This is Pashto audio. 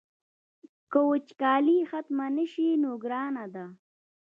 که وچکالي ختمه نه شي نو ګرانه ده.